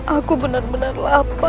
aku benar benar lapar